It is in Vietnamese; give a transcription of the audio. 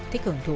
thích hưởng thụ